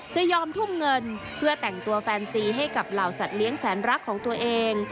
จะยอมทุ่มเงินเพื่อแต่งตัวแฟนซีให้กับเหล่าสัตว์แสนรักของตัวเอง